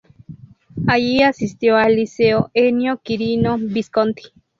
Allí asistió al Liceo "Ennio Quirino Visconti".